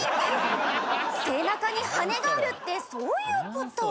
背中に羽根があるってそういう事？